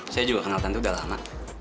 saya juga kenal tante udah lama